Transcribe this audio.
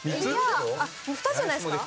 ２つじゃないですか？